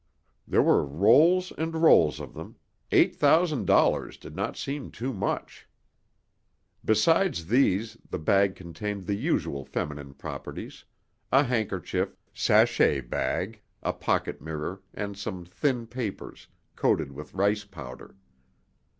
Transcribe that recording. There were rolls and rolls of them eight thousand dollars did not seem too much. Besides these, the bag contained the usual feminine properties: a handkerchief, sachet bag, a pocket mirror, and some thin papers, coated with rice powder.